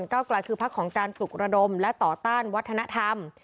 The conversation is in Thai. เก้าไกลคือพักของการปลุกระดมและต่อต้านวัฒนธรรม